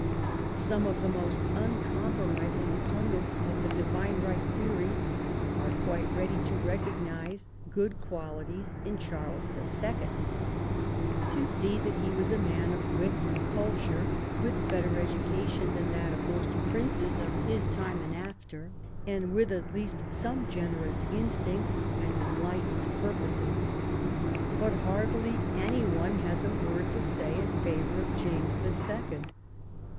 Some of the most uncompromising opponents of the divine right theory are quite ready to recognize good qualities in Charles the Second, to see that he was a man of wit and culture, with better education than that of most princes at his time and after, and with at least some generous instincts and enlightened purposes. But hardly any one has a word to say in favor of James the Second.